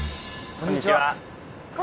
こんにちは。